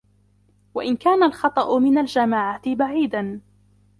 وَإِنْ كَانَ الْخَطَأُ مِنْ الْجَمَاعَةِ بَعِيدًا